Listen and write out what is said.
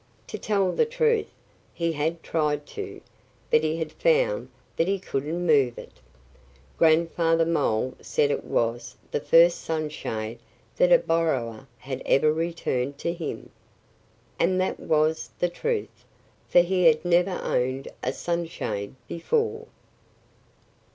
To tell the truth, he had tried to; but he had found that he couldn't move it. Grandfather Mole said it was the first sunshade that a borrower had ever returned to him. And that was the truth. For he had never owned a sunshade before.